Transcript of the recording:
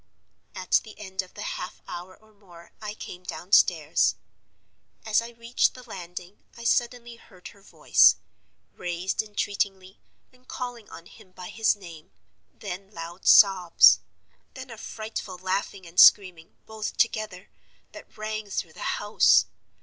"At the end of the half hour or more, I came downstairs. As I reached the landing I suddenly heard her voice, raised entreatingly, and calling on him by his name—then loud sobs—then a frightful laughing and screaming, both together, that rang through the house.